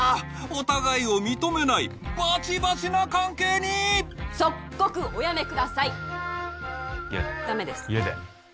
お互いを認めないバチバチな関係に即刻おやめくださいやだダメです